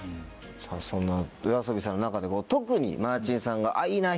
さぁそんなＹＯＡＳＯＢＩさんの中で特にマーチンさんがいいな！